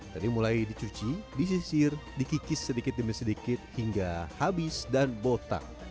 dari mulai dicuci disisir dikikis sedikit demi sedikit hingga habis dan botak